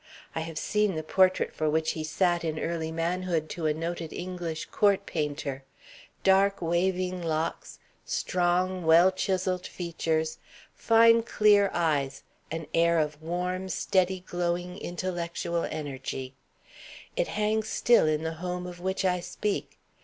I have seen the portrait for which he sat in early manhood to a noted English court painter: dark waving locks; strong, well chiselled features; fine clear eyes; an air of warm, steady glowing intellectual energy. It hangs still in the home of which I speak.